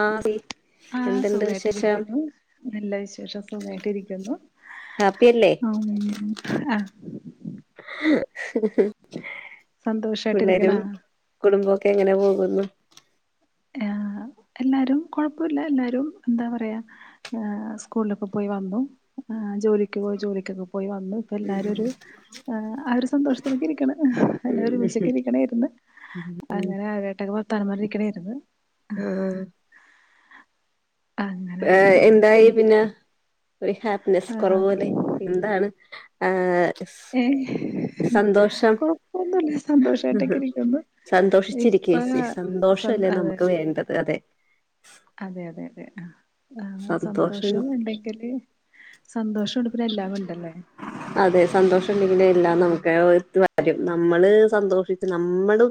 ആഹ് ആഹ എന്തുണ്ട് വിശേഷം സുഖായിട്ടിരിക്കുന്നു നല്ല വിശേഷം സുഖമായിട്ടിരിക്കുന്നു ഹാപ്പിയല്ലേ ആ ഉം പിള്ളേരും സന്തോഷായിട്ടിരിക്കണാ കുടുംബമൊക്കെ എങ്ങനെ പോകുന്നു ആ എല്ലാരും കൊഴപ്പമില്ല എല്ലാരും എന്താ പറയാ സ്കൂളിലൊക്കെ പോയി വന്നു ജോലിക്ക് പോയി ജോലിക്കൊക്കെ പോയി വന്നു ഇപ്പ എല്ലാരും ഒരു ആ ഒരു സന്തോഷത്തിനൊക്കെ ഇരിക്ക്ണു എല്ലാരും ഉം ഒരുമിച്ചക്കെ ഇരിക്കണായിരുന്നു അങ്ങനെട്ടക്കെ തറമ്മൽ ഇരിക്കണമായിരുന്നു ആഹ് ആഹ് എന്തായി പിന്നെ ഒരു ഹാപ്പിനെസ്സ് കുറവ് പോലെ ആഹ് എന്താണ് ആ ഏ കൊഴപ്പൊന്നുല്ല സന്തോഷായിട്ടൊക്കെയി രിക്കുന്നു ഇപ്പൊ സന്തോഷിച്ചിരിക്കേച്ചി സന്തൊ സന്തോഷല്ലേ അതെ നമുക്ക് വേണ്ടത് അതെ അതെ അതെ അതെ ആ ആഹ് സന്തോഷം ഉണ്ടെങ്കില് സന്തോഷണ്ട് പിന്നെ എല്ലാം ഉണ്ടല്ലേ അതെ സന്തോഷഉണ്ടെങ്കിലേ എല്ലാം നമുക്കായി ഒത്തു വരും നമ്മള് സന്തോഷിച്ച് നമ്മള്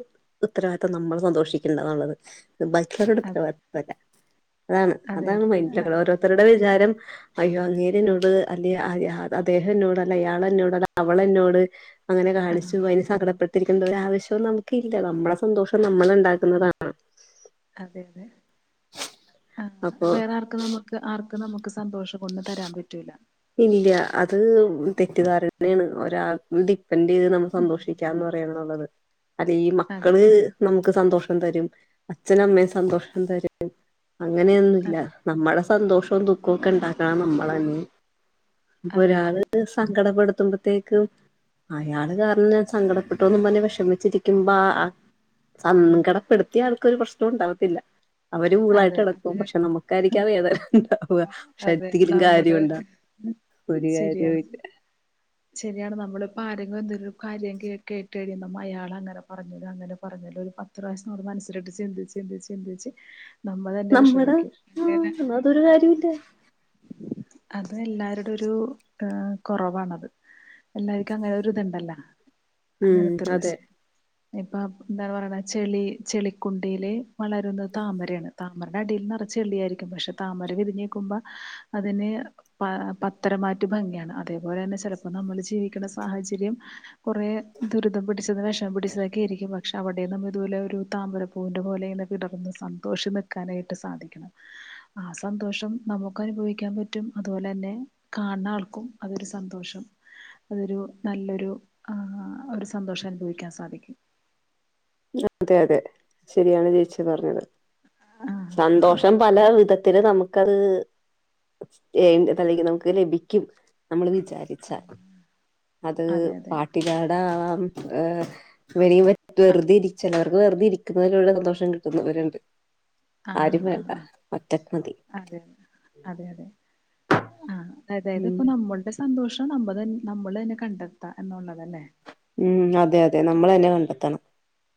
ഉത്തരവാദിത്തം നമ്മള് സന്തോഷിക്കണ്ടന്നുള്ളത് ബക്കരടത്ര അതെ വല്ല [unintelligible] അതാണ് അതെ അതാണ് അതെ മൈൻഡില [unintelligible] കൾ ആഹ് ഓരോരുത്തരുടെ വിചാരം അയ്യോ അങ്ങേര് എന്നോട് അതേ ആര്യ അ അദ്ദേഹം എന്നോട് അയാൾ എന്നോട് അവള് എന്നോട് അങ്ങനെ ആഹ് കാണിച്ചു അയിന് സങ്കടപ്പെട്ട്- ത്തിരിക്കേണ്ട ഒരാവശ്യം നമുക്കില്ല നമ്മളെ സന്തോഷം നമ്മള് ഉണ്ടാക്കുന്നതാണ് അതെ അതെ ആ അപ്പൊ വേറെ ആർക്കും നമുക്ക് ആർക്ക് നമുക്ക് സന്തോഷം ഒന്നുതരാൻ പറ്റൂല്ല ഇല്ലാ അത് തെറ്റിദ്ധാരന്നാണ് [unintelligible] സ്പെൻഡ് ചെയ്ത് നമ്മള് സന്തോഷിക്ക എന്ന് പറയുന്നത് അതാണ് അല്ലീ അതെ മക്കള് നമുക്ക് സന്തോഷം- തരും അച്ഛനും അമ്മയും - സന്തോഷം തരും അങ്ങനെയൊന്നുവില്ല ആഹ് നമ്മുടെ സന്തോഷവും ദുഃഖവുമൊക്കെ ഉണ്ടാക്കു അ നമ്മളന്നി അപ്പം അതെ അതെ ഒരാള് സങ്കടപടു ത്തുമ്പത്തേക്കും അയാളു കാരണം സങ്കടപ്പെട്ടോന്നും പറഞ്ഞ് വെഷമിച്ചിരിക്കുമ്പോ ആ സങ്കടപ്പെടുത്തിയാൾക്കൊരു പ്രശ്നോം ഉണ്ടാവത്തില്ല അവര് കൂളായിട്ട് അതെ നടക്കും അത് പക്ഷെ നമുക്കായിരിക്കും ആ വേദന ഉണ്ടാവുക പക്ഷെ അതെ എന്തെങ്കിലും നമ്മള് കാര്യോണ്ടോ ഒരു ശരിയാണ് കാര്യോവില്ല ശരിയാണ് നമ്മളിപ്പോ ആരെങ്കിലും എന്തെലുവൊരു കാര്യം കേ കേ കേട്ടുകഴിയുമ്പോ അയാളങ്ങനെ പറഞ്ഞല്ലോ അങ്ങനെ പറഞ്ഞല്ലോ ഒരു പത്ത് പ്രാവശ്യം നമ്മള് മനസിലിട്ട് ചിന്തിച്ച് ചിന്തിച്ച് ചിന്തിച്ച് നമ്മൾ തന്നെ നമ്മുടെ വിഷമിക്കും ആ അങ്ങനെ എന്ന അതൊരു കാര്യോവില്ല അത് എല്ലാരുടെ ഒരു അ കുറവാണത് എല്ലാർക്കും അങ്ങനൊരു ഇതുണ്ടല്ലോ ഉം അങ്ങനത്തൊരു അതെ പ്രശ്നം ഇപ്പം എന്താപറയണെ ചെളി ചെളിക്കുണ്ടയില് വളരുന്ന താമരയാണ് താ മണ്ണടിയിൽ നിറച്ചു ചെളി യായിരിക്കും പക്ഷെ താമര വിരിഞ്ഞുനിക്കുമ്പം അതിന് പത്തരമാറ്റു ഭംഗിയാണ് അതേപോലെ തന്നെ ചിലപ്പോ നമ്മൾ ജീവിക്കുന്ന സാഹചര്യം കുറെ ദുരിതപ്പെട്ട വിഷം പിടിച്ചതൊക്കെയാരിക്കും വച്ചെ പക്ഷെ അവിടെന്നും ഇതുപോലെ ഒരു താമ്പരപ്പൂവിന്റെ പോലെ തന്നെ വിടർന്ന് സന്തോഷം നിൽക്കാനായിട്ട് സാധിക്കണം ആ സന്തോഷം നമുക്ക് നമുക്ക് അനുഭവിക്കാൻ പറ്റും അതുപോലെ തന്നെ കാണുന്ന ആൾക്കും അതൊരു സന്തോഷം അതൊരു നല്ലൊരു ആ ഒരു സന്തോഷം അനുഭവിക്കാൻ സാധിക്കും അതെ അതെ ശരിയാണ് ചേച്ചി പറഞ്ഞത് ആഹ് സന്തോഷം പല വിധത്തിലെ നമുക്കതെ ഏ ണ്ടിയതെല്ലങ്കിൽ നമുക്ക് ലഭിക്കും നമ്മളതു ചെയ് വിചാരിച്ചാ അത് അതെ അതെ പാട്ടിക്കാടാവാം ആ വെ ആഹ് വെറുതെ ഇരിച്ചലാ തെ വെറുതെ ഇരിക്കുന്നതിലുള്ള സന്തോഷം കിട്ടുന്നുവരുണ്ട് ആ ആഹ ആ അതെെ അതെ അതെ ആ അതായത് ഉം ഇപ്പോ നമ്മളുടെ സന്തോഷം നമ്മ നമ്മളെ തന്നെ കണ്ടെത്ത എന്നുള്ളതല്ലേ ഉം അതെ അതെ നമ്മളെ തന്നെ കണ്ടെത്തണം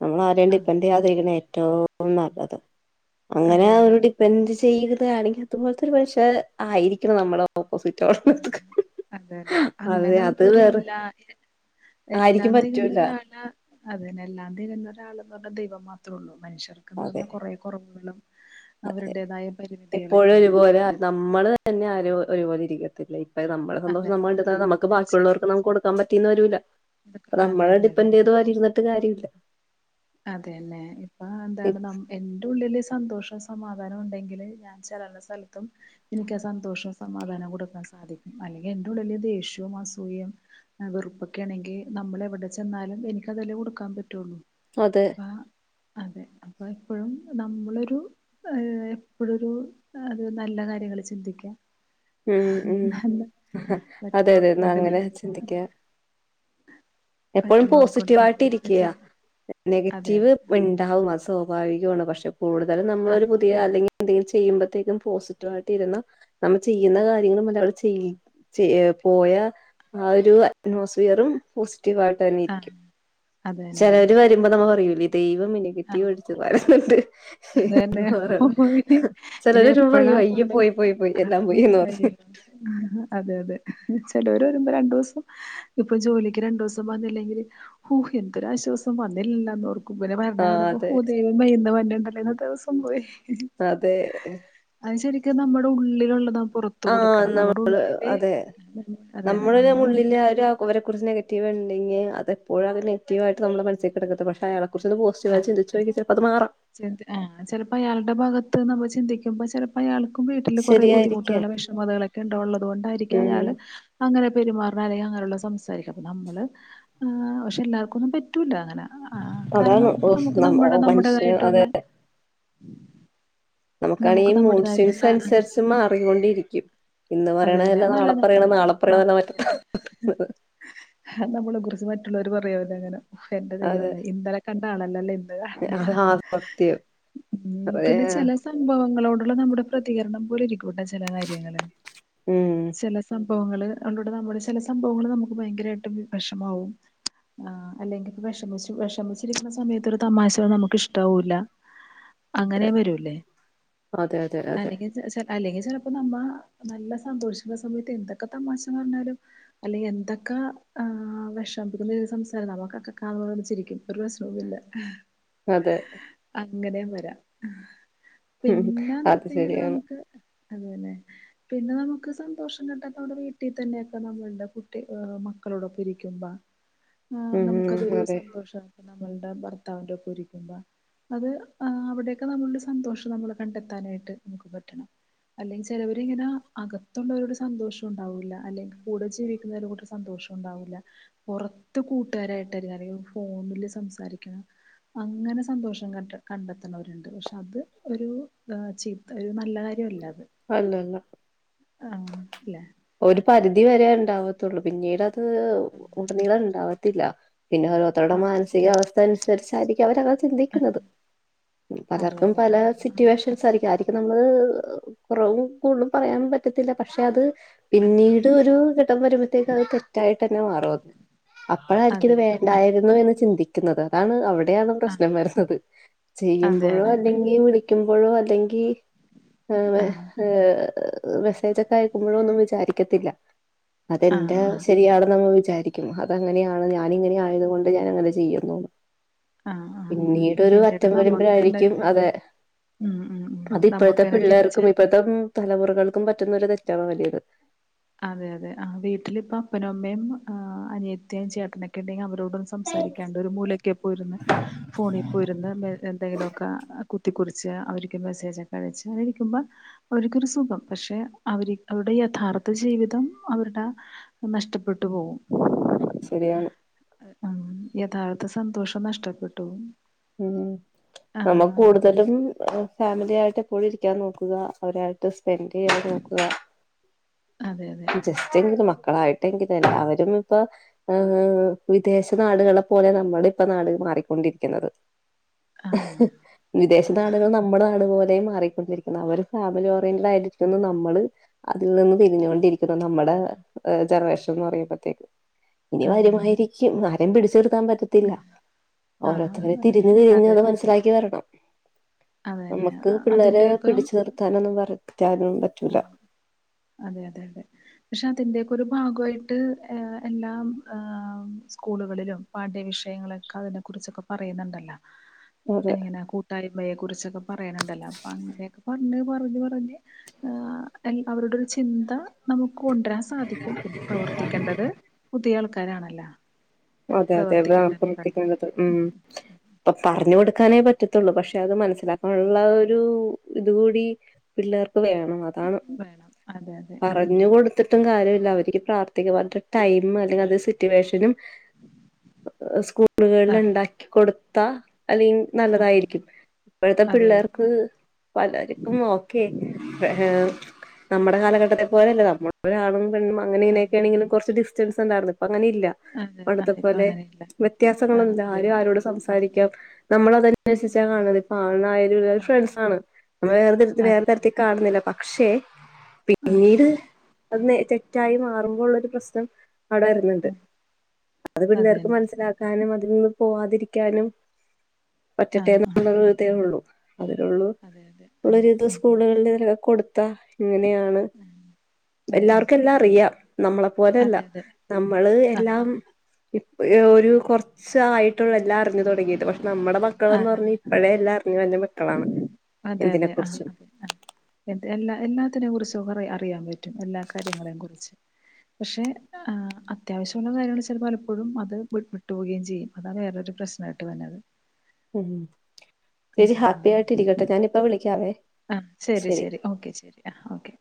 നമ്മൾ ആരണ്ട് ആഹ് കണ്ടാദരിക്കണ ഏറ്റവും നല്ലത് അങ്ങനെ അതെ അതെ അവരു ഡിപെൻഡ് ചെയ്യലെ ആണെങ്കിൽ അതുപോലത്തെ ഒരു പക്ഷേ ആയിരിക്കണം നമ്മളോ ഓപ്പോസിറ്റടെ ആഹ് ഹ അതന്നെ ഹ അതെ അങ്ങനെ അത് ഉള്ളൊരു വേറെ എല്ലാ ആരിക്കും എല്ലാം തികന്ന പറ്റൂല ഒരാള അതെ എല്ലാം തികഞ്ഞ ഒരാൾന്ന് പറഞ്ഞ ദൈവം മാത്രേ ഉള്ളൂ. മനുഷ്യർക്ക്ന്ന് അതെ പറഞാ കുറേ കുറവുകളും അതെ അവരുടേതായ എപ്പോഴും പരിമിതികളൊക്കെ ഉണ്ട് ഒരുപോലെ നമ്മള് തന്നെ ആരും ഒരുപോലെ ഇരിക്കത്തില്ല. അതായത് നമ്മടെ അതെ സന്തോഷം നമ്മൾ അതെ എടുത്താൽ നമക്ക് തീർച്ചയായും ബാക്കിയുള്ളവർക്ക് ഒന്നും കൊടുക്കാൻ പ [unintelligible] വരൂല. ഇതൊക്കെ- അതെ നമ്മളെ അതെ ഡിപ്പെൻഡറ് ചെയ്ത് ആരും ഇരുന്നിട്ട് കാര്യ [unintelligible] അതെല്ലെ ഇപ്പൊ എന്താണ് ന എന്റെ ഉള്ളില് സ് സന്തോഷവും സമാധാനം ഉണ്ടെങ്കില് ഞാൻ ചെല്ലന സ്ഥലത്തും എനിക്ക് ആ സന്തോഷവും സമാധാനവും കൊടുക്കാൻ സാധിക്കും അല്ലെങ്കിൽ എന്റെ ഉള്ളിൽ ദേഷ്യവും അസൂയയും വെറുപ്പൊക്കെ ആണെങ്കിൽ നമ്മൾ എവിടെ ചെന്നാലും എനിക്ക് അതെല്ലേ കൊടുക്കാൻ പറ്റുള്ളൂ. അതെ. അപ്പ അതെ അപ്പൊ എപ്പോഴും നമ്മളൊരു ഏ എപ്പോഴൊരു അത് നല്ല കാര്യങ്ങൾ ചിന്തിക്കാം. ഉം ഉം ഹ ഹ അതെ അതെ മറ്റുള്ളവർക്ക് എന്ന വേണ്ടി അങ്ങനെ ചിന്തിക്ക നന്മ എപ്പോഴും മറ്റുള്ളവർക്ക് വേണ്ടി പോസിറ്റീവ ആയിട്ട് നന്മയൊക്കെ ഇരിക്കയാ ചെയ്യാൻ അതെ നെഗറ്റീവ് അതെ ഉണ്ടാവും അ സ്വാഭാവികമാണ് പക്ഷെ കൂടുതലും ആ നമ്മളൊരു പുതിയ അല്ലെങ്കിൽ ന്തെങ്കിലും ചെയ്യുമ്പോഴത്തേക്കും പോസിറ്റീവ് ആയിട്ട് ഇരുന്ന നമ്മൾ ചെയ്യുന്ന കാര്യങ്ങളും മുതൽ അവൾ ചെയ ചെ പോയ ആ ഒരു അറ്റ്മോസ്ഫിയറും പോ പോസിറ്റീവ് ആയിട്ട് തന്നെ ആ ഇരിക്കും അത് തന്നെ ചിലര് വരുമ്പോ നമ്മ പറയുലെ ദൈ തും ആ നെഗറ്റീവ് അടിച്ച് വരുന്നുണ്ട്. അതന്നെ പോയി ഇനി ചിലര് വരുമ്പോ എപ്പഴാ പറയും അയ്യോ പോണടെ പോയി പോയി പോയി എല്ലാം പോയിന്ന് പറയും [unintelligible] അതെ അതെ ചേലര് വരുമ്പ രണ്ടു ദിവസം ഇപ്പൊ ജോലിക്ക് രണ്ടു ദിവസം വന്നില്ലെങ്കിൽ ഹോ എന്തൊരുരാശ്വാസം വന്നില്ലില്ലന്ന് ഓർ [unintelligible] വരണ ആ കാണുമ്പോ അതെ ഹോ ദൈവമേ ഇന്ന് വര്ണിണ്ട് ഇന്നത്തെ ദിവസം പോയി. അതെ. ഒക്കെ നമ്മുടെ ഉള്ളിലുള്ളതാണ്. ആഹ്, നമ്മള്, അതെ, അതന്നെ നമ്മളെ, നമ്മുടെ ഉള്ളില്, അവരെ, കുറിച്ച് [unintelligible] [unintelligible] ച ആഹ ചെലപ്പ ഇയാളുടെ ഭാഗത്ത് - ത്ത് നമ്മ ചിന്തിമ്പോ ചിലപ്പോഅയാൾക്ക് വീട്ടില് കൊറെേ ശരിയായിരിക്കാം ബുദ്ധിമുട്ടുകള് വിഷമതകളൊക്കെ ഉണ്ടാള്ളത് കൊണ്ടായിരിക്കും ഉം അയാള് അങ്ങനെ പെരുമാറാലെ അങ്ങനുള്ളള്ള സംസാരിക്ക അ നമ്മള് പക്ഷെ എല്ലാർക്കൊന്നും പറ്റില്ല അങ്ങനെ ആഹ് അതാണ് ന മനുഷ്യ ട്ടുളള [unintelligible] നമുക്കാണെങ്കിൽ മൂഡ്സിൻസ് അനുസരിച്ച് മാറികൊണ്ടിരിക്കും അത് തന്നെ നല്ലത നള മറ്റന്നാള് നമ്മളെ കുറിച്ച്റ്റ മറ്റുള്ളവര് പറയാവെ അങ്ങനെ എന്റെ അതെ ദൈവമേ ഇന്നലെ കണ്ട തണല്ലല്ലേ ആ സത്യം അതെ പിന്നെ ചെല സംഭവങ്ങളോട് നമ്മള് നമ്മുടെ പ്രതികരണം പോലെ ഇരിക്കട്ടൊ ചില കാര്യങ്ങള് ഉം ചില സംഭവങ്ങള് അതിൻ്റകുടെ നമ്മുടെ ചില സംഭവങ്ങൾ നമുക്ക് ഭയങ്കരമായിട്ട് വിഷമാവും ആ അല്ലെങ്കിപ്പോ വിഷമി വിഷമിച്ചിരിക്കുന്ന സമയത്ത് ഒരു തമാശ നമുക്ക് ഇഷ്ടമാവൂില്ല അങ്ങനെ അതെ വരൂല്ലേ അതെ അതെ അതെ അല്ലെങ്കിൽ ചെല അല്ലെങ്കിൽ ചിലപ്പോ നമ്മ നല്ല സന്തോഷിച്ചിക്കുന്ന സമയത്ത് എന്തൊക്കെ തമാശ പറഞ്ഞാലും അല്ലെങ്കിൽ എന്തൊക്കെ ആ വിഷമപ്പിക്കുന്ന സംസാരം നമുക്കൊക്കെ കാണ ചിരിക്കും ഒരു പ്രശ്നവുമല്ല അതെ അങ്ങനെ വരാ ഉം പിന്നെ അത് എന്നിട്ടെങ്കില് ശരിയാണ് നമുക്ക് അതെല്ലെ പിന്നെ നമുക്ക് മ്ക്ക് സന്തോഷം കട്ടാത്ത നമ്മടെ വീട്ടിൽ തന്നെയൊക്കെ നമ്മളുടെ കുട്ടി മക്കളോടൊപ്പം ഇരിക്കുമ്പോ ആ ഉം നമുക്കതൊരു അതെ സന്തോഷമാണ് നമ്മളുടെ ഭർത്താവിന്റെ ഒക്കെ ഇരിക്കുമ്പോ അത് അവിടെയൊക്കെ നമ്മളുടെ സന്തോഷം നമ്മൾ കണ്ടെത്താനായിട്ട് നമുക്ക് പറ്റണം അല്ലെങ്കിൽ ചിലവരി ഇങ്ങനെ അകത്ത് അകത്തള്ളവരോട് സന്തോഷം ഉണ്ടാവില്ല അല്ലെങ്കിൽ കൂടെ ജീവിക്കുന്നവര കൂടെ സന്തോഷം ഉണ്ടാവില്ല പുറത്ത് കൂട്ടുകാരായിട്ട അറ ഫോണില് സംസാരിക്കണം അങ്ങനെ സന്തോഷം കണ്ട കണ്ടെത്തണവരുണ്ട് പക്ഷെ അത് ഒരു ചീത്ത ഒരു നല്ല കാര്യമല്ല അത് അല്ലല്ല ആ അല്ല ഒരു പരിധി വര ഉണ്ടാവത്തുള്ളൂ പിന്നീടത് അത് ഉടനീളം ഉണ്ടാവ ത്തില്ല പിന്നെ ഓരോരുത്തരുടെ ആഹ് മാനസികാവസ്ഥനുസ നുസരിച്ചാരിക്കും അവരത് ചിന്തിക്കുന്നത് അതെ പലർക്കും അതെ പല സിറ്റുവേഷൻസാരിക്കും ആരി- െ നമ്മള് കുറവും കൂടുതലും പറയാനൻ പറ്റത്തില്ല പക്ഷെ അത് പിന്നീട് ഒരു കിടം വരുമ്പോഴത്തേക്ക പിന്നീട് ഒരു ഇടം വരുമ്പോഴ്തെക്കു അത് തെറ്റായിട്ട് തന്നെ മാറുംഅത് അപ്പോഴായിരിക്ക അതെ ഇത് അതെ ആഹ് വേണ്ടായിരുന്നു എന്ന് ചിന്തിക്ക ുന്നത് അതാണ്വി [unintelligible] ആഹ് പ്രശ്നം വരുന്നത് അതെ ചെയ്യുമ്പോഴോ അതെ അല്ലെങ്കിൽ വിളിക്ക്പോഴോ ങ്കി ആ ആഹ് മെസ്സേജ ഒക്കെ അയക്കുമ്പോഴൊന്നും വിചാരിക്കത്തില്ല ആഹ് അതെന്താ ശരിയാാണ് നമ്മ വിരിക്കും അങ്ങനെയ ഞാനിങ്ങന ആയതുക കൊണ്ട് ഞാനങ്ങനെ ചെയ്യുന്നു ആഹ് ആ് ആ പിന്നീടൊരു പിന്നീട് അറ്റം നമ്മക്ക് എന്തായ വരുമ്പോഴായിരിക്കും അതെ ഉം ഉ ഉ അത് ഇപ്പോഴത്തെ നമ്മുക്ക്നെ തിരിച്ച് പിള്ളേർക്കും ഇപ്പോഴത്തെ തലമുറകൾക്കും പറ്റുന്ന ഒരു തെറ്റാണോ വലിയത് അതെ അതെ ആ വീട്ടിലിപ്പോ അപ്പനുമ്മയും അനിയത്തിയും ചേട്ടനൊക്കെ ഉണ്ടെങ്കിൽ അവരോട് സംസാരിക്കാണ്ട്ഒരു മൂലക്ക പോയി ഇരുന്ന് ഫോണിൽ പോയി ഇരുന്ന് എന്തെങ്കിലുമ ഒക്കെ കുത്തി കുറിച്ച് അവരിക്കുമേ സേജൊക്കെ അയച്ച് ആയിരിക്കുമ്പോ അവർക്കൊരു സുഖം പക്ഷെ അവർ അവരുടെ യഥാർത്ഥ ആ ജീവിതം അവരുടെ നഷ്ടപ്പെട്ടു പോകും ആ ശരിയാണ് ആ യഥാർത്ഥ സന്തോഷം നഷ്ടപ്പെട്ടു ഉം നമ്മ ആഹ് കൂടുതലും ഫാമിലിയായിട്ടു എപ്പോഴും ഇരിക്കാൻ നോക്കുക അവരായിട്ട് സ്പെൻറ്റ് ചെയ്യാൻ നോക്കുക അതെ അതെ ജസ്റ്റ് എങ്കുലും മക്കളായിട്ടെങ്കിലും എല്ലാവരും ഇപ്പൊ വിദേശ നാടുകളെ പോലെ നമ്മുടെ ഇപ്പ നാടുകളും മാറിക്കൊണ്ടിരിക്കുന്നത് ആഹ് വിദേശ നാടുകൾ നമ്മുടെ നാട് പോലെ മാറിക്കൊണ്ടിരിക്കുന്ന അവരും ഫാമിലഓറിയൻ്റടായിട്ടിരിക്കുന്നു നമ്മ നമ്മള് അതിൽ നിന്ന് തിരിഞ്ഞുകൊണ്ടിരിക്കുന്നു നമ്മുടെ ഏ ജനറേഷ എന്ന് പറയുമ്പോത്തേക്കും ഇനി അതെ അതെ വരുമായിരിക്കും ന എൻ പിടി സേർ പറയാൻ പറ്റത്തില്ല ഓരോരുത്തര് ആഹ് തിരിഞ് തിരിഞ് അതെ അത് മനസ്സാക്കി വരണം അതന്നെ നമുക്ക് പിള്ളേരെ പിടിച്ചു നിർത്താനൊന്നും പറ ആ അതെയതെ അതെ പക്ഷെ അതിൻ്റെ ഒരു ഭാഗായിട്ട് എല്ലാ സ്കൂളുകളിലും പാഠ്യ വിഷയങ്ങളൊക്കെ അതിനെക്കുറിച്ചൊക്കെ പറയുന്നുണ്ടല്ലോ അതെ എങ്ങനെ കൂട്ടായി അമ്മയെ കുറിച്ചൊക്കെ പറയണ്ല്ലോ അപ്പൊ അങ്ങനെയൊക്കെ പറഞ്ഞ് പറഞ്ഞ് പറഞ്ഞ് ആ അവരുടൊരു ചിന്ത നമുക്ക് കൊണ്ടരാന് സാധിക്കും പിന്നെ പ്രവർത്തിക്കേണ്ടത് പുതിയാൾ ണ്ടരാണല്ലോ അതെയതെ ആ പ്രവത്തിക്കേണ്ടത് ഉം, മ്മ് പ്പോ പറഞ്ഞുകൊടു ക്കാനെ പറ്റത്തുള്ളൂ പക്ഷേ അത് മൻസ് സ്സിലാക്കാനുള്ള ഒരു ഇതുകൂടി പിള്ളേർ വേണം അതാണ് വേണം അതെ അതെ ആഹ് പറഞ്ഞു കൊടുത്തിട്ടും കാര്യല്ല അവർക്ക് പ്രാർത്ഥിക്കാൻ മാത്രം ടൈം അല്ലെങ്കിൽ അത് സിറ്റുവേഷനും സ്കൂളുകളിൽ ആഹ് ഉണ്ടാക്കികൊടു താ അലെയിൻ ആഹ് നല്ലതായിരിക്കും ഇപ്പഴത്തെ അതെ അതെ പിള്ളേർക്ക് പലർക്കും ഓക്കെ എ നമ്മടെ കാലഘട്ടത്തെ പോലല്ല നമ്മളൊരാളും പെണ്ണും അങ്ങനെ ആഹ് ഇങ്ങനെയൊക്കെയാണെങ്കിലും കൊറച്ച് ഡിസ്റ്റൻസൊ സൊണ്ടാരുന്നു ഇപ്പങ്ങനില്ല അതെ ആ ഇപ്പൊ അന്നത്തെപോലെ അങ്ങനെയില്ല ആ വ്യത്യാസങ്ങളൊന്ന്ല്ല അതെ ആര് ആരോട് ആ സംസാരിക്കാം. നമ്മളതൻസര്ച്ചാ കാണല് ഇപ്പോ ആണായാലും ഓര് ആ ഫ്രണ്ട്സാണ് നമ്മ വേറെ തരത്തിൽ വേറെ അതെ തരത്തി അതെ കാണുന്നി ല്ല പക്ഷേ ആ പിന്നീട് അന്നെ തെറ്റായി മാറുമ്പോളുള്ളൊരു പ്രശ്നം അവിടെയിരുന്നിട്ട് അത് പിള്ളേർക്ക് അതെന്നെ മനസ്സിലാക്കാ നും അതിനൊന്നും പോവാതിരിക്കാനും ആ പറ്റട്ടെ എന്ന് ആ ഒള്ളൊരു ഇതേ ഉള്ളൂ. അതിലുള്ളൊ അതെ അതെ ആ കോളേജിത്തെ ഉം, സ്കൂളുകളിൽ അവര് കൊടുത്താ ഇങ്ങനെയാ ണ്. ആ ആ എല്ലാർക്കും എല്ലാ അറിയാം നമ്മളെ പോലല്ല. അതെ അതെ നമ്മള് എ ആ ആ എല്ലാം ഇപ്പ ഒരു കൊറച്ച് ആയിട്ടുള്ളു എല്ലാം അറിഞ്ഞു തൊടങ്ങിയിട്ട് പ നമ്മടെ ആ മക്കളന്ന് പറഞ്ഞ ഇപ്പഴെ എല്ലാം അറിഞ്ഞു വന്നെ മ ക്കളാണ് അതെ അതെ ആഹ് അതെ ആഹ് എ എല്ലാ എല്ലാ തിനെ കുറിച്ചൊക്കെ അ അറിയാൻ പറ്റും എല്ലാ കാര്യങ്ങളെയും കുറിച്ച് പക്ഷേ അത്യാവശ്യമുള്ള കാര്യങ്ങള് ചിലപ്പോൾ പലപ്പോഴും അത് വിട്ടുപോവുകയും ചെയ്യും അതാണ് വേറൊരു പ്രശ്നായിട്ട് വരണത് ഉം ചേച്ചി ഹാപ്പി ആയിട്ട് ഇരിക്കട്ടെ ഞാനിപ്പ വിളി വിളിക്കാവേ ആഹ് ശരി ശരി ഓക്കെ ശരി ആഹ് ഓക്കെ